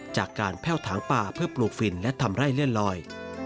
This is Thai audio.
จากการแพ่วถางป่าเพื่อปลูกฝิ่นและทำไร่เลื่อนลอย